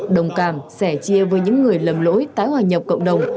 đồng cảm sẻ chia với những người lầm lỗi tái hòa nhập cộng đồng